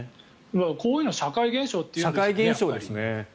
こういうのを社会現象っていうんでしょうね。